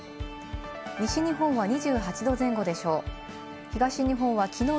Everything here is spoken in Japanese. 西日本は２８度前後でしょう。